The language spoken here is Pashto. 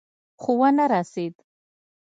خو ونه رسېد.